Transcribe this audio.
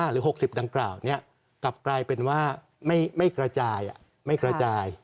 ๕๕หรือ๖๐ดังกล่าวนี้กลับกลายเป็นว่าไม่กระจาย